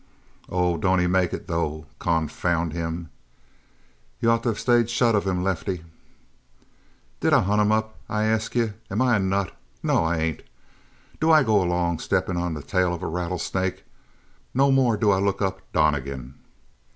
"Oh, don't he make it, though? Confound him!" "You ought to of stayed shut of him, Lefty." "Did I hunt him up, I ask you? Am I a nut? No, I ain't. Do I go along stepping on the tail of a rattlesnake? No more do I look up Donnegan."